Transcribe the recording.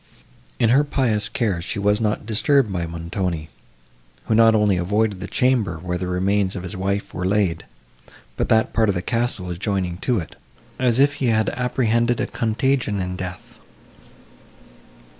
In her pious cares she was not disturbed by Montoni, who not only avoided the chamber, where the remains of his wife were laid, but that part of the castle adjoining to it, as if he had apprehended a contagion in death.